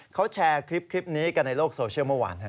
เขาแชร์คลิปนี้กันในโลกโซเชียลเมื่อวาน